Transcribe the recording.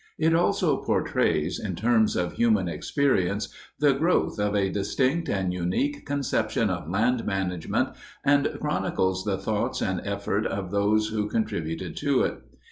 It also portrays, in terms of human experience, the growth of a distinct and unique conception of land management and chronicles the thoughts and effort of those who contributed to it.